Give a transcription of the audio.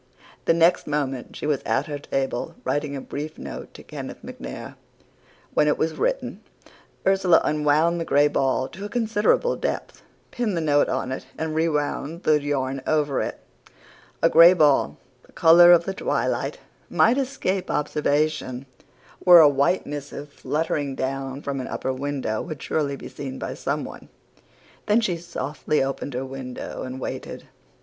The next moment she was at her table, writing a brief note to Kenneth MacNair. When it was written, Ursula unwound the gray ball to a considerable depth, pinned the note on it, and rewound the yarn over it. A gray ball, the color of the twilight, might escape observation, where a white missive fluttering down from an upper window would surely be seen by someone. Then she softly opened her window and waited.